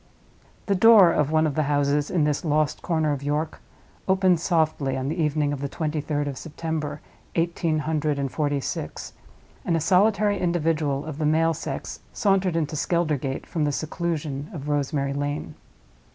The door of one of the houses in this lost corner of York opened softly on the evening of the twenty third of September, eighteen hundred and forty six; and a solitary individual of the male sex sauntered into Skeldergate from the seclusion of Rosemary Lane.